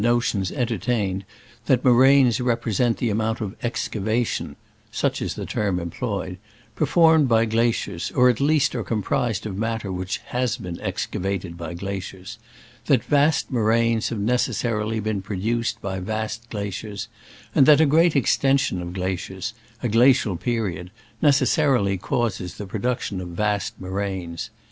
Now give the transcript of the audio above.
notions entertained that moraines repre sent the amount of excavation (such is the term employed) performed by gla ciers, or at least are comprised of matter which has been excavated by gla ^iers ; that vast moraines have necessarily been produced by vast glaciers; and that a great extension of glaciers — a glacial period — necessarily causes the produc tion of vast moraines.